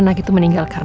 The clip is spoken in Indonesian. mau pennar aku